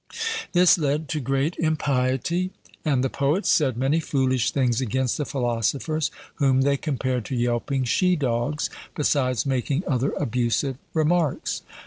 This led to great impiety, and the poets said many foolish things against the philosophers, whom they compared to 'yelping she dogs,' besides making other abusive remarks.